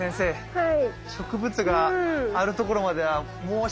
はい。